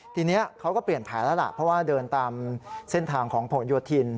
ทีนี้เขาก็เปลี่ยนแผลแล้วล่ะเพราะว่าเดินตามเส้นทางของผลโยธิน